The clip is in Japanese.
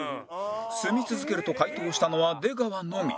「住み続ける」と回答したのは出川のみ